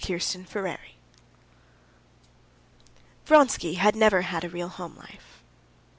Chapter 16 Vronsky had never had a real home life.